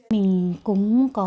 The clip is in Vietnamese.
mình cũng có